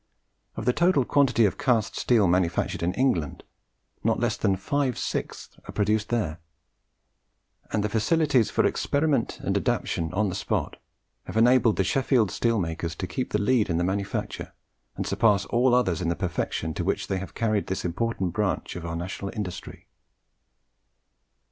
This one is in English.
Of the total quantity of cast steel manufactured in England, not less than five sixths are produced there; and the facilities for experiment and adaptation on the spot have enabled the Sheffield steel makers to keep the lead in the manufacture, and surpass all others in the perfection to which they have carried this important branch of our national industry.